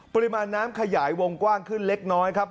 ปริมาณน้ำขยายวงกว้างขึ้นเล็กน้อยครับ